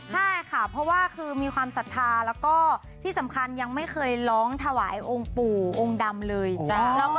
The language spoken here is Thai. ใช่ค่ะเพราะว่าคือมีความศรัทธาแล้วก็ที่สำคัญยังไม่เคยร้องถวายองค์ปู่องค์ดำเลย